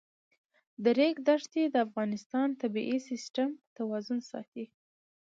د ریګ دښتې د افغانستان د طبعي سیسټم توازن ساتي.